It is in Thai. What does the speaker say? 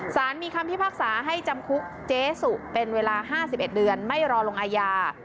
สารมีคำพิพากษาให้จำคุกเจ๊สุเป็นเวลา๕๑เดือนไม่รอลงอาญา